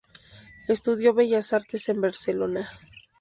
Estudió Bellas Artes en Barcelona.